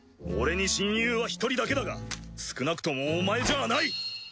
俺に親友は１人だけだが少なくともお前じゃあない！